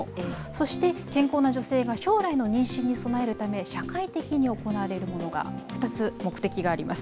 そして、健康な女性が将来の妊娠に備えるため、社会的に行われるものが、２つ目的があります。